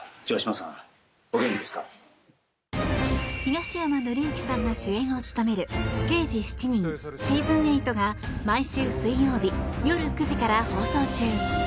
東山紀之さんが主演を務める「刑事７人」シーズン８が毎週水曜日夜９時から放送中。